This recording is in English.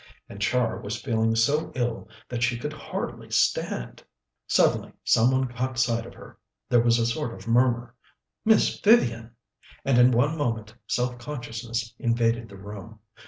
And Char was feeling so ill that she could hardly stand. Suddenly some one caught sight of her, there was a sort of murmur, "Miss Vivian!" and in one moment self consciousness invaded the room.